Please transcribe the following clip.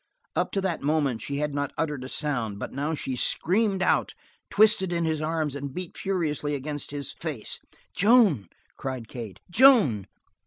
Up to that moment she had not uttered a sound, but now she screamed out, twisted in his arms, and beat furiously against his face. "Joan!" cried Kate. "Joan!"